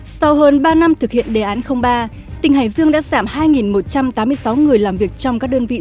sau hơn ba năm thực hiện đề án ba tỉnh hải dương đã giảm hai một trăm tám mươi sáu người làm việc trong các đơn vị